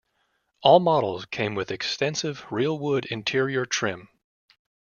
All models came with extensive, real wood interior trim.